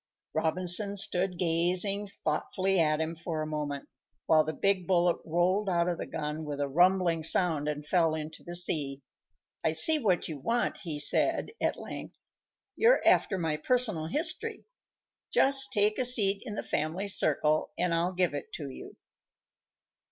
Robinson stood gazing thoughtfully at him for a moment, while the big bullet rolled out of the gun with a rumbling sound and fell into the sea. "I see what you want," he said, at length. "You're after my personal history. Just take a seat in the family circle and I'll give it to you."